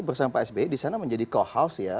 bersama pak sbe disana menjadi co house ya